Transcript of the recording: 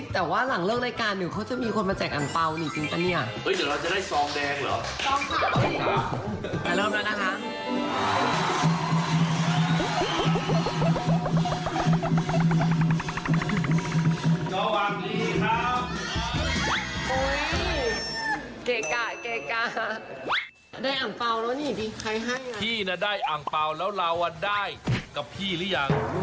แต่ว่าหลังเลิกรายการเหลือเค้าจะมีคนจะมาจักอำเปาจริงกันเงี้ย